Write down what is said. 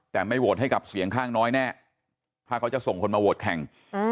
แต่ไม่โหวตให้กับเสียงข้างน้อยแน่ถ้าเขาจะส่งคนมาโหวตแข่ง